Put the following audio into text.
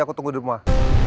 aku tunggu di rumah